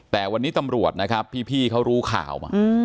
แต่วันนี้ตำรวจพี่เขารู้ข่าว